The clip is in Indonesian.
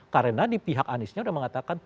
karena di pihak aniesnya sudah mengatakan